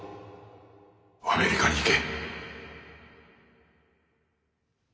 アメリカに行け。